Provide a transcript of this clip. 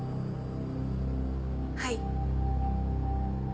はい。